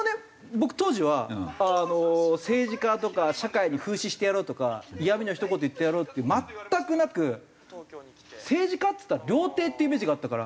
僕当時は政治家とか社会に風刺してやろうとか嫌みのひと言言ってやろうっていう全くなく政治家っつったら料亭っていうイメージがあったから。